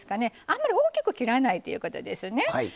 あんまり大きく切らないということですね。